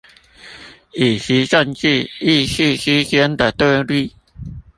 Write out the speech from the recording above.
以及政治意識之間的對立